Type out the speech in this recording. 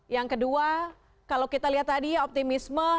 yang kedua kalau kita lihat tadi ya optimisme